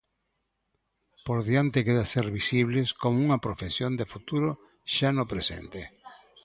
Por diante queda ser visibles como unha profesión de futuro xa no presente.